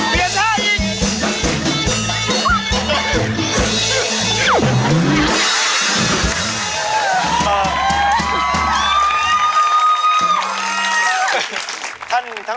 เปลี่ยนท่า